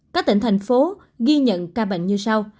các tỉnh thành phố ghi nhận ca bệnh như sau